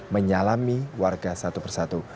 menyalami warga satu persatu